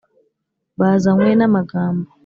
bazanywe n’amagambo